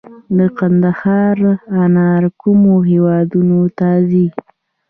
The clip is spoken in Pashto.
د کندهار انار کومو هیوادونو ته ځي؟